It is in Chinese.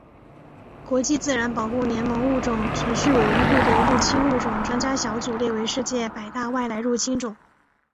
国际自然保护联盟物种存续委员会的入侵物种专家小组列为世界百大外来入侵种。